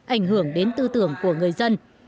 ảnh hưởng đến tư tưởng của người dân